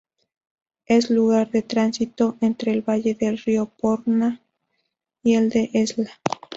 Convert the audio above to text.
Es lugar de tránsito entre el valle del río Porma y el del Esla.